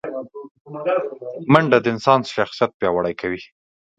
منډه د انسان شخصیت پیاوړی کوي